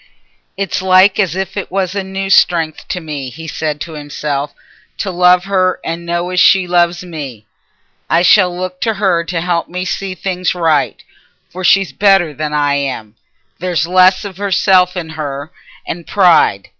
"It's like as if it was a new strength to me," he said to himself, "to love her and know as she loves me. I shall look t' her to help me to see things right. For she's better than I am—there's less o' self in her, and pride.